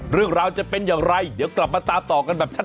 เรื่องราวจะเป็นอย่างไรเดี๋ยวกลับมาตามต่อกันแบบชัด